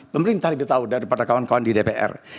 pemerintah lebih tahu daripada kawan kawan di dpr